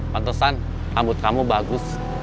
pantesan rambut kamu bagus